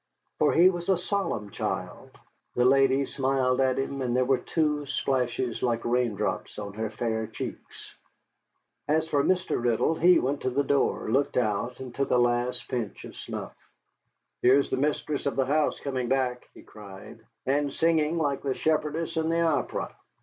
For he was a solemn child. The lady smiled at him, and there were two splashes like raindrops on her fair cheeks. As for Mr. Riddle, he went to the door, looked out, and took a last pinch of snuff. "Here is the mistress of the house coming back," he cried, "and singing like the shepherdess in the opera."